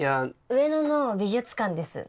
上野の美術館です。